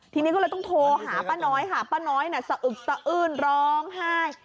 ทีนี้ก็เลยต้องโทรหาป้าน้อยค่ะป้าน้อยน่ะสะอึกสะอื้นร้องไห้